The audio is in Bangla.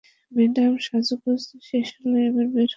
ম্যাডাম, সাজগোজ শেষ হলে এবার বের হোন!